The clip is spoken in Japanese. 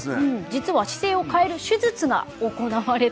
実は姿勢を変える手術が行われたんです。